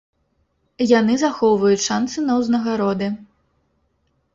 Яны захоўваюць шанцы на ўзнагароды.